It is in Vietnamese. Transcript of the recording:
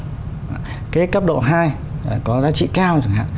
cái cấp độ hai có giá trị cao chẳng hạn